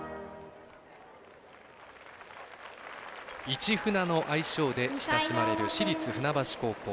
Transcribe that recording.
市船の愛称で親しまれる市立船橋高校。